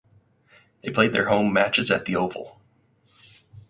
They played their home matches at The Oval.